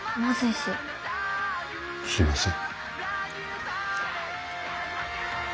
すいません。